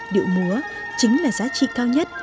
điệu múa chính là giá trị cao nhất